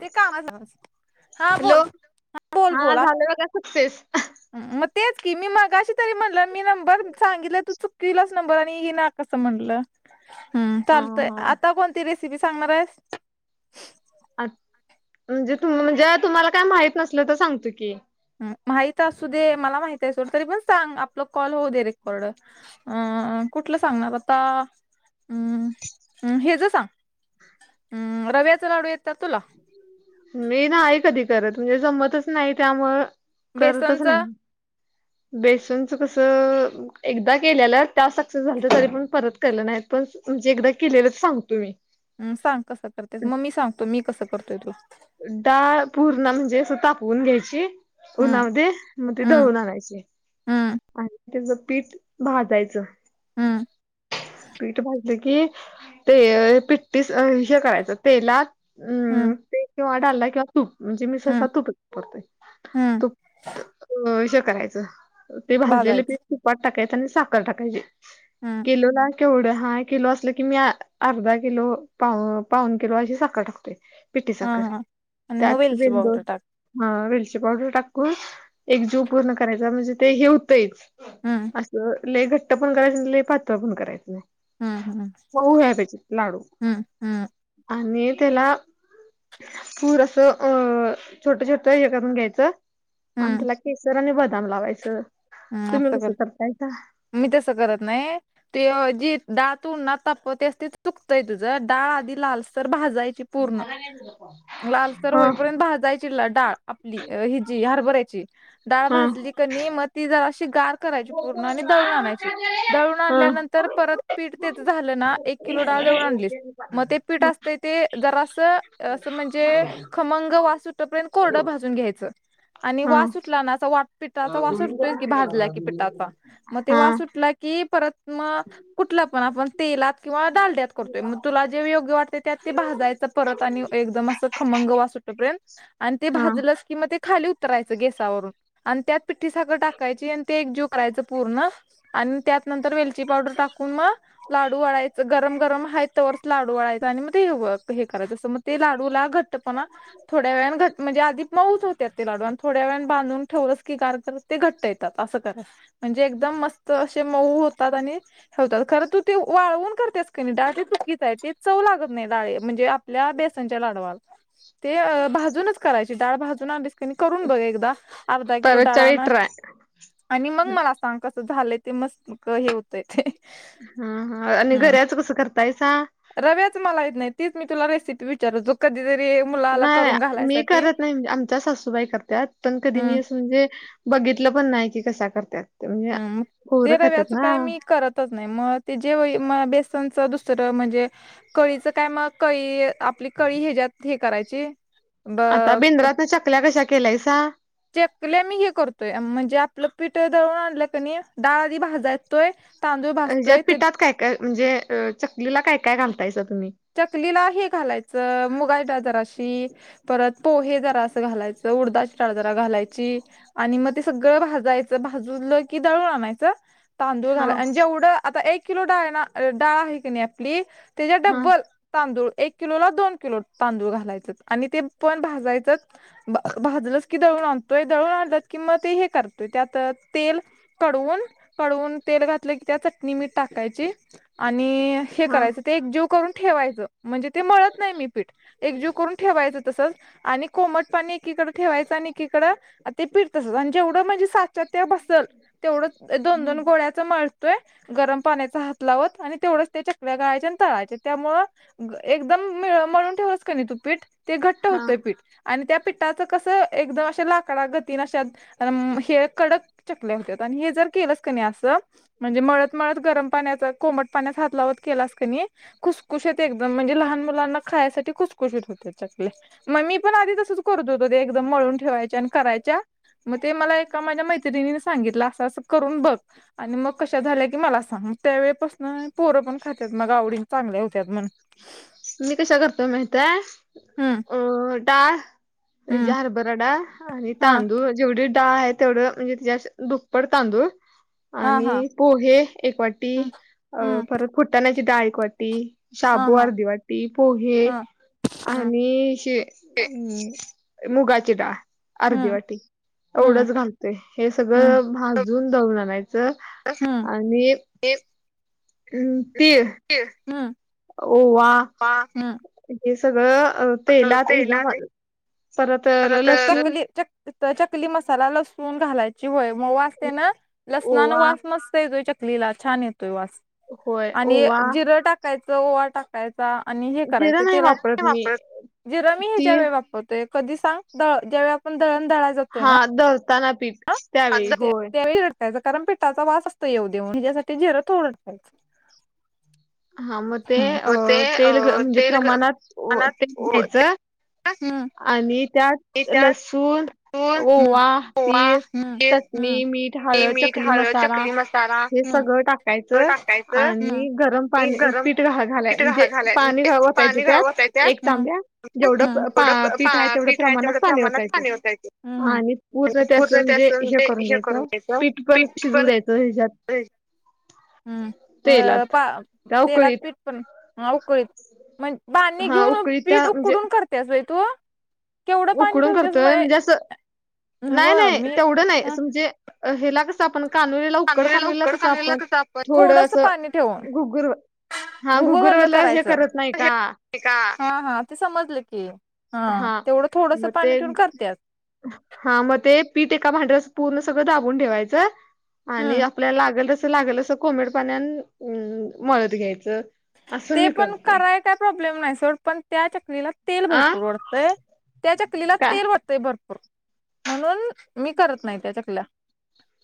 ते कामाच हा बोल, हॅलो बोल हा बोला. झालं बघा सक्सेस म तेच की मी मगाशी तरी म्हणलं मी नंबर सांगितलं तू चुकविलास नंबर आणि येईना कस म्हणलं. हूं हा चालतय हा आता कोणती रेसिपी सांगणार आहेस? अ म्हणजे तुम म्हणजे तुम्हाला काय माहित नसल तर सांगतो की. माहित असू दे मला माहित आहे सोड, तरी पण सांग आपल कॉल होऊ दे रेकॉर्ड. अं कुठलं सांगणार आता. हूं हूं हेच सांग हूं रव्याच लाडू येतात तुला? मी नाही कधी करत म्हणजे जमतच नाही त्यामूळ करतच बेसनच नाही. बेसनच कसं एकदा केलेलं त्या सक्सेस झालत तरी पण परत केलं नाहीत पण म्हणजे एकदा केलेलं सांगतो मी. ह सांग कसं करत्या मग मी सांगतो मी कसं करतोय तो. डाळ पूर्ण म्हणजे अस तापवून घ्यायची. हम्म उन्हामध्ये मग ते हम्म दळून आणायची. हम्म आणि त्याच पीठ भाजायचं हम्म पीठ भाज ल कि ते पिठटीस हे करायचं तेलात हम्म हूं ते किंवा डालडा किंवा तूप म्हणजे मी हम्म सहसा तूपच वापरते. हम्म तूप अ हे करायचं. ते भाजलेले भाजायचं पीठ तुपात टाकायच आणि साखर टाकायची. हूं किलोला केवढं हा किलो असलं की म्या अर्धा किलो पा अ पाऊन किलो अशी साखर टाकतोय. पिठी हा साखर हा आणि त्यात मोबाईलची पावडर वेलदोड टाक हा वेलची पावडर टाकून एक जीव पूर्ण करायचा म्हणजे ते हे हुतईच हम्म अ लय घट्ट पण करायचं नाय लय पातळ पण करायचं नाय. हम्म हम्म मऊ व्हायला पाहिजेत लाडू हम्म हम्म आणि त्याला पूर असं अ छोट छोट हे करून घ्यायचं आणि हम्म त्याला केसर आणि बदाम लावायचं. अम्म तुम्ही असं कसं कर करतायता मी तसं करत नाही ते जी डाळ तू उन्हात तापवतेस तेच चुकतंय तुझं डाळ आधी लाल तर भाजायची हूं पूर्ण झाला काय तुझं लालसर होईपर्यंत भाजयची डाळ आपली हिजी हरभरायची डाळ हा भाजली क नी म ती जराशी गार करायची पूर्ण आणि दळून आणायची. दळून हा आणल्यानंतर परत पीठ त्याच झालं ना एक किलो डाळ दळून आणलीस म ते पीठ असतय ते जरास असं म्हणजे खमंग वास सुटपर्यंत कोरडं भाजून घ्यायचं आणि हा वास सुटला ना असा वाट पिठाचा वास सुट सुटतोयच की भाजल्या की पिठाचा म ते हा वास सुटला की परत म कुठला पण आपण तेलात किंवा डालड्यात करतोय म तुला जे योग्य वाटते त्यात ते भाजायचं परत आणि एकदम असं खमंग वास सुट सुटे पर्यंत आणि ते हा भाजलं की म ते खाली उतरायचं गेसावरून आणि त्यात पिठ्ठी साखर टाक कायची ते एक जीव करायच पूर्ण आणि त्यात नंतर वेल ची पावडर टाकून म लाडू वळायच गरम गरम हाय तवरच लाडू वळायचा आणि म ते हे ब हे करायचं असं म ते लाडू ला घट्टपणा थोड्या वेळान घट म्हणजे आधी मऊच होत्यात ते लाडू आणि थोड्या वेळने बांधून ठेवलंस की गार करत ते घट्ट येतात असं करायच म्हणजे एकदम मस्त असे मऊ होतात आणि होतात खरं तू ते वाळवून करतेस क नी डाळ ते चुकीच आय ते चव लागत नाय डाळे म्हणजे आपल्या बेसनच्या लाडवाळा ते भाजूनच करायचे ते डाळ भाजून आणलीस कनी करून बघ एकदा अर्धा किलो परतच्या डाळा वेळी आना ट्राय आणि मंग मला सांग कसं झालंय ते मस्त हे होतय ते हं हं आणि हम् गऱ्याचं कसं करतायसा रव्याच मला येत नाय तेच मी तुला रेसिपी विचार हो कधीतरी मुलाला नाय बया करून मी घालायसाठी करत नाय आमच्या सासूबाई करत्यात पण कधी मी हम्म असं म्हणजे बघितलं पण नाय की कसा करत्यात हं मग ते रव्याचं काय मी करत रतच नाय म ते जे व बेसनच दुसरं म्हणजे कळीचं काय म कळी आपली कळी ह्याच्यात हे करायची ब आता बिंद्रातना चकल्या कशा केल्यायसा चेकल्या मी हे करतोय म्हणजे आपलं पीठ दळून आणलं क नी डाळ आधी भाजायतोय तांदूळ अ ज्यात भाजतोय ते पिठात काय काय म्हणजे अ चकलीला काय काय घालतायसा तुम्ही चकलीला हे घालायचं मुगाची डाळ जराशी परत पोहे जरासं घालायचं उडदा ची डाळ जरा घालायची आणि म ते सगळं भाजायचं भाजूलं की दळून आणायचं तांदूळ घाला हा आणि जेवढं आता एक किलो डाळ ना डाळ आहे की नाही आपली त्याच्या हा डब्बल तांदूळ एक किलो ला दोन किलो तांदूळ घालायचं आणि ते पण भाजायचं भाजलंच की दळुन आणतोय दळुन आणलं कि म ते हे करतोय त्यात तेल कडवून, कडवून तेल घातलं की त्यात नि मिठ टाकायची आणि हे हा करायचं ते एक जीव करून ठेवायचं म्हणजे ते मळत नाही मी पीठ एकजीव करून ठेवायचं तसंच आणि कोमट पाणी एकीकडे ठेवायचं आणि एकीकड ते पिट तसच आणि जेवंड म्हणजे सा ते बसल तेवढ च दोन, हा दोन गोळ्या च मळतोय गरम पाण्याचा हात लावत आणि तेवढच त्या चकड्या गाळायच्या आणि तळायचे त्यामुळं अ एकदमळ मळून ठेवलंस का नाही तू पीठ ते घट्ट हा होतंय पीठ आणि त्या पिठाचं कसं एकदम अशे लाकडा गतीन अशा म हे कडक चकल्या हुत्यात आणि हे जर केलं स कनी न असं म्हणजे मळत, मळत गरम पाण्या चा कोमट पाण्याचा हात लावत केलास कनी खुसखुशत एकदम म्हणजे लहान मुलांना खायसाठी खुसखुशीत होतेत चकल्या मग मी पण आधी तसच करत होतो ते एकदम मळून ठेवायच्या आणि करायच्या मग ते मला एका माझ्या मैत्रिणीने सांगितलं असं, असं करून बघ आणि मग कशा झाल्या की मला सांग मग त्या वेळेपासून पोर पण खातात मग आवडीन चांगल्या होत्यात म्हणु मी कश्या करतो माहीतय हाय? हुम्म. डाळ ही जी हरबराडा आणि हा तांदूळ म जेवढी डाळ आहे तेवढं म्हणजे तच्या दुप्पट तांदूळ हा आणि हा पोहे एक वाटी हम्म अ हम्म परत फुटतानाची डाळ एक वाटी हा शाबू हा अर्धी वाटी, पोहे हा हम्म. आणि हे हुम्म मुगाची डाळ अर्धी हम्म वाटी हम्म एवढंच घालतोय हे हम्म सगळं भाजून दळुन आणायचं आणि एक हुम्म तीळ तीळ हम्म ओवा हम्म हे सगळं तेलात एकदम सर्व अं लसूण चकली चकली मसाला, लसून घालायची होय मग वास ते नं लसणान ओवा वास मस्त येतोय चकली चकलीला छानं येतोय वास होय आणि ओवा जिर टाक टाकायच ओवा टाकायचा आणि हे करायचं जिरं नाही वापरत तेलाचा मी वापर जिरं मी ती हेज्यावेळी वापरत. कधी सांग? ज्यावेळी आपण दळण द हां दळताना पीठ अं त्यावेळी होय त्यावेळी टाकायच कारण पिठाचा वास असतो येवू देेऊन ह्यासाठी झीर थोडच टाकायचं. हां मगं ते मग ते तेल अ म्हणजे तेल प्रमाणात तेल पानात घ्यायचं. हम्म. आणि ते त्यातं त्या लसूण तून ओवा, ओवा तीळ, जिर चटणी, मीठ, ते हळद, मीठ चकली हळद मसाला चकली मसाला हे सगळं टाकायच तो टाकायचं आणि गरम पाणी गरम पीठ घालायच पीठ मजे घा घालाय पाणी म्हणजे ओतायचं पाणी घा त्यात ओताय एक त्यात तांब्या जेवढं पीठ आहे तेवढं प्रमाणात पाणी ओतायचं आणि पूर्ण त्याचं म्हणजे हे करून घ्यायचं. पीठ पणं शिजू द्यायचं हे ज्यात अय हं अ तेलात पा त्या तेलात उकळीत पीठ पणं हां उकळीत म्हण बांणी हा घेऊन उकळी पीठ त्या म्हणजे उकडून कर त्यास व्हय तू केवढं पाणी उकडून ठेवतेस करतोय. म्हणजे मग असं नाय व्ह नाय मी तेवढं नाय असं म्हणजे हेला कसं सं आपणं कानुलीला उकडं कानोलीला कानुलीला उकड कसं कानोलीला आपण थोडं थोडस असं पाणी ठेवून घुगुर हां घुगर वल्लं हे करत नाही का? ते का हां हां ते समजलं की हां तेवढं थोडस म ते पाणी ठेवून करत्यास हां म ते पीठ एका भांड्यावर असं पूर्ण सगळं दाबून ठेवायचं. आणि हम्म आपल्याला लागलं जसं लागलं असं कोमट पाण्याणं अ मळत घ्यायचं. असं ते मी पण करते कराय काय प्रॉब्लेम नाय सोड पण त्या चकलीला तेल आ भरपूर ओढतयं. त्या चकलीला का तेल वढ तय भरपूर म्हणूनं, मी करत नाय त्या चकल्या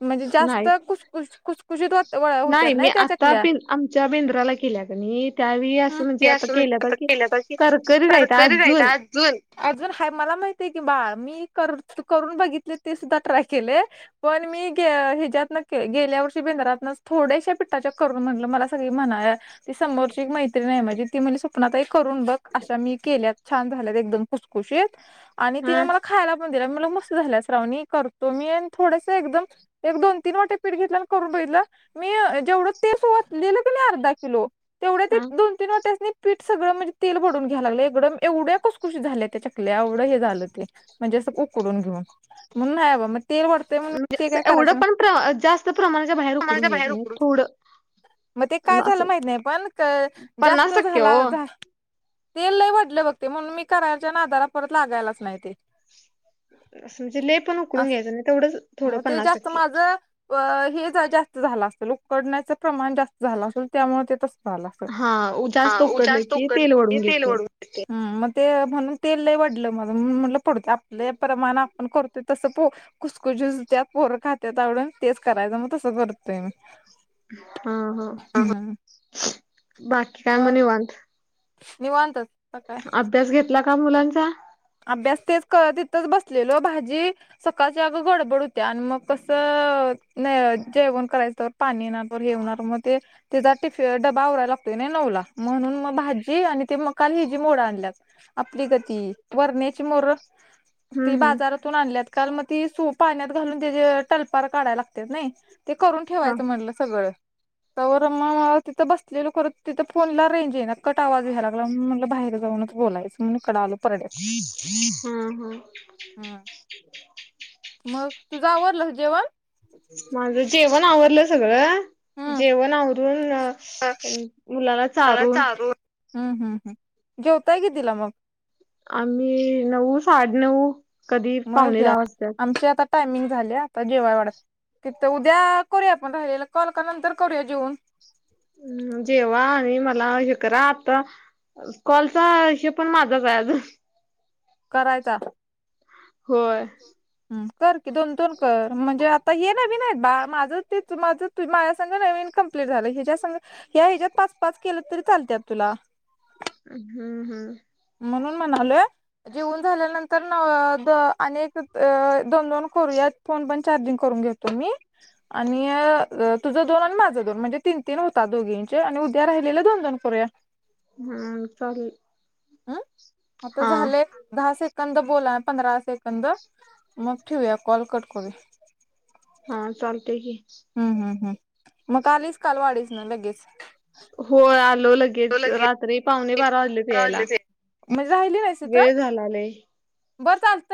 म्हणजे जास्त नाही खुस खुस खुसखुशीत होत वळ्या नाही होतात मी नाय त्या आता चकल्या बेन आमच्या बेंद्राला केल्या कनी त्यावेळी हम्म. असं ते म्हणजे, आता केल्याता आता की पहिल्यापासून करकरीत हाईत तरकरीत आहेत आजून अजून. अजून हाय मला माहीती ये की, बाळं मी कर तु करून बघितले ते सुद्धा ट्राय केले पण मी गे हेज्यातनं गेल्या वर्षी बेंदरातनंच थोड्याशा पिठ्ठाच्या करून म्हणलं मला सगळी म्हणायं ते समोरची एक मैत्री हाय माझी. ती म्हणली स्वप्नाताई करून बघ. अशा मी केल्यात छानं झाल्यात एकदम. खुसखुशीत. आणि हा तिनं मला खायला पण दिल्या म्हणलं मस्तं झाल्या श्रावणी करतो. मी आणि थोडसं एकदम एक, दोन, तीन वाट्या पीठ घेतलं. आणि करून बघितलं मी जेवढं तेस ओतलेलं कनय अर्धा किलो तेवढ ते हा दोन, तीन वाट्यासनी पीठ सगळं म्हणजे तेल व वढून घ्याय लागलयं एकडम एवढ्या खुसखुशीत झाल्या त्या चकल्या एवढं हे झालं ते म्हणजे असं उकडून घेऊन. म्हणून न्हाय बाबा म म्हणजे असं एवढं पण प्र जास्तं प्रमाणाच्या बाहेर उकडून घ्यायचं नाय. थोडं म ते अन काय झालं असं माहित नाही. क पण पन्नास जास्तं टक्के ओ झाला झा तेल लयं वढलं बघ ते म्हणूनं, मी करायच्या नादाला परत लागायलाचं नाय ते असं म्हणजे, लयं पण उकडून घ्यायचं नाय तेवढंच थोडं म ते पन्नास जास्तं टक्के माझं अ हे जास्तं झालं असलं. उकडण्याचं प्रमाण जास्त झालं असलं. त्यामुळ ते तस झालं असलं, हा उ- जास्त आ जास्तं की उकडलं तेल की वढून तेल घेते ओढून हूं म ते म्हणून तेल लय वडलं माझं म्हणून म्हटलं पडूदे आपले प्रमाण आपण कर ते तस पो खुस कुजूत्या पोर खात्यात आवडून तेच करायचं म तसं करतोय मी हा हं हम्म बाकी काय म्हणे वांत निवांत आता काय अभ्यास घेतला का मुलांचा अभ्यास तेच क तिथंच बसलेलो भाजी सकाळची अगं गडबड होत्या आणि मग कसं नय जेवण करायचं तर पाणी येणार परत हे होणार म ते तिचा टिफ डबा आवरायला लागतोय ना नऊला म्हणून म भाजी आणि ते म काल हिजी मोड आणल्यात आपली गती वरण्याची मोर ती हम्म हम्म बाजारात तून आणली काल मग ती सु पाण्यात घालून त्या टलपार काढाय लागत नाही, ते करून हा ठेवायचं म्हटलं सगळं. तवर मग तिथं बसलेलो करत. तिथं फोनला रेंज येईणा. कट आवाज यायला लागला म म्हटलं बाहेर जाऊनच बोलायचं. म्हण इकड आलो परडय हं हं. हं. मग तुझं आवरलं का जेवण? माझं जेवण आवरलं सगळं, हम्म जेवण आवरून अ मुलाला चारून, हं हं हं. झोपतोय कितीला मग? आम्ही नऊ-साडे नऊ कधी मग पाउणे ह्या दहा वाजतात. आमची आता टायमिंग झाली आता जेवाय वाढते. तीत उद्या करूया आपण राहिलेला कॉल, का नंतर करूया जेऊन? अं, जेवा आणि मला हे करा आता. कॉलचा हिशोब पण माझाच आहे आजुन. करायचा. होय. हं, कर की. दोन दोन कर, म्हणजे आ ता हे नवीन आहेत बा. माझं ते माझं माझ्या संग नवीन कंप्लीट झालं. हिच्या संग या ह्याच्यात पाच पाच केलं तरी चालत्यात तुला. अ हं हं. म्हणून म्हणालोय, जेऊन झाल्यानंत तर न द आणि एक दोन दोन करूयात. फोन पण चार्जिंग करून घेतो मी. आणि अ तुझं दोन आणि माझं दोन म्हणजे तीन तीन होता दोघींचे. आणि उद्या राहिलेले दोन दोन करूया. हं. चालेल. अं? आता हा झालये दहा सेकंद बोलाया पंधरा सेकंद. मग ठेवूया कॉल कट करूया हा चालतय की. हं हं हं. मग आलीच काल वाडीचन लगेच? होय. आलो लगे गेच. रात्री पावणे बारा वाजले होते राहिले यायला. ते म्हणजे राहिली नाहीस तिथं वेळ झाला लई. बरं चालत